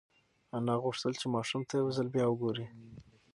انا غوښتل چې ماشوم ته یو ځل بیا وگوري.